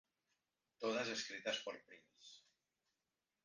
Todas escritas por Prince.